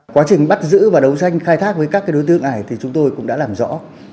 quá trình bắt giữ và đấu tranh khai thác với các đối tượng này thì chúng tôi cũng đã làm rõ